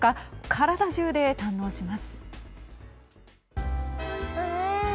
体中で堪能します。